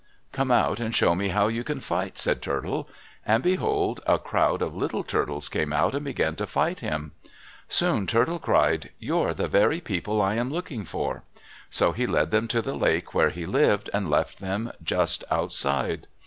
"Come out and show me how you can fight," said Turtle. And behold! a crowd of little Turtles came out and began to fight him. Soon Turtle cried, "You're the very people I am looking for." So he led them to the lake where he lived and left them just outside.